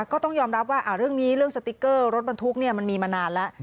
ก็ต้องยอมรับว่าเรื่องนี้เรื่องสติ๊กเกอร์รถบรรทุกมันมีมานานแล้ว